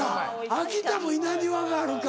秋田も稲庭があるか。